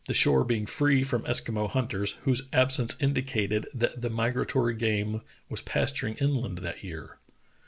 shore being free from Eskimo hunters, whose absence indicated that the migratory game was pasturing in land that year.